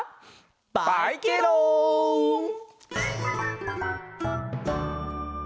バイケロん！